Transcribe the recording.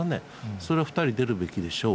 それは２人出るべきでしょう。